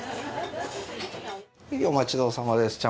お待ちどおさまです。